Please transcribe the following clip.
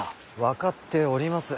分かっております。